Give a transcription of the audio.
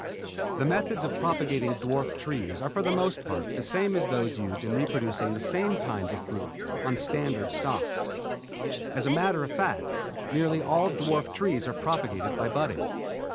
The methods of propagating dwarf trees are for the most part the same as those used in reproducing the same kinds of fruit on standard stocks. As a matter of fact nearly all dwarf trees are propagated by budding.